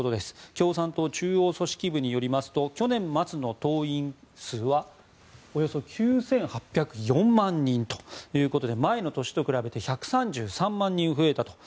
共産党中央組織部によりますと去年末の党員数はおよそ９８０４万人ということで前の年と比べて１３３万人増えたと。